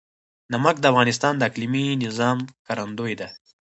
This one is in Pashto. نمک د افغانستان د اقلیمي نظام ښکارندوی ده.